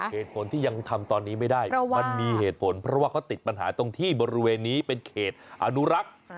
เหตุผลที่ยังทำตอนนี้ไม่ได้มันมีเหตุผลเพราะว่าเขาติดปัญหาตรงที่บริเวณนี้เป็นเขตอนุรักษ์